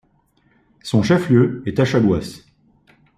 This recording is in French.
Son chef-lieu est Achaguas.